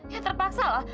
ya terpaksa lah